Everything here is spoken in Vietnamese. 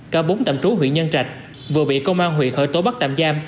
cả bốn tạm trú huyện nhân trạch vừa bị công an huyện khởi tố bắt tạm giam